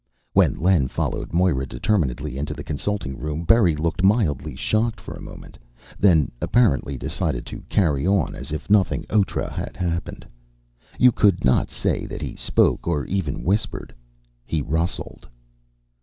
When Len followed Moira determinedly into the consulting room, Berry looked mildly shocked for a moment, then apparently decided to carry on as if nothing outré had happened. You could not say that he spoke, or even whispered; he rustled.